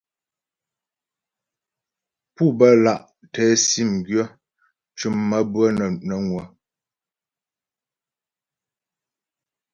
Pú bə́́ lǎ' tɛ sìm gwyə̌ mcʉ̀m maə́bʉə̌'ə nə́ ŋwə̌.